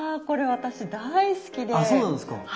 これ私大好きで。